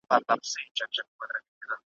شپه به مي وباسي له ښاره څخه `